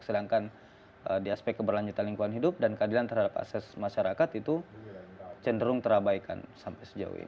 sedangkan di aspek keberlanjutan lingkungan hidup dan keadilan terhadap akses masyarakat itu cenderung terabaikan sampai sejauh ini